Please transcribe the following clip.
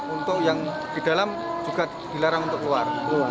untuk yang di dalam juga dilarang untuk keluar